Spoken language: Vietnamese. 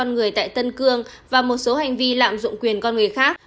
người tại tân cương và một số hành vi lạm dụng quyền con người khác